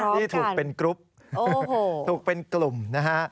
นี่ถูกเป็นกรุ๊ปถูกเป็นกลุ่มนะฮะ